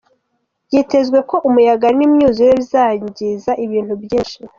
Byitezwe ko umuyaga n'imyuzure bizangiza ibintu byinshi.